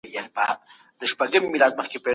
نو باید صادق واوسې.